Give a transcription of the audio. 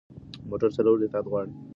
موټر چلول احتیاط غواړي.